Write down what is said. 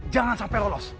jangan sampai lolos